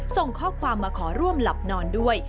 ส่งข้อความมาขอร่วมหลับนอนด้วย